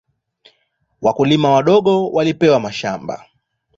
Wakulima wadogo walipewa mashamba.